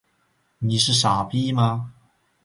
你是傻逼吗？